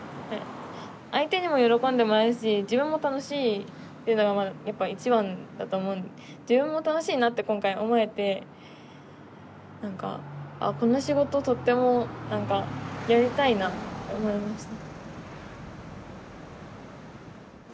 相手にも喜んでもらえるし自分も楽しいっていうのがやっぱ一番だと思う自分も楽しいなって今回思えてなんか「あこの仕事とってもなんかやりたいな」って思いました。